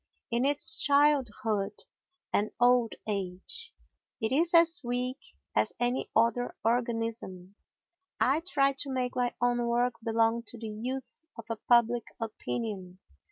In its childhood and old age it is as weak as any other organism. I try to make my own work belong to the youth of a public opinion.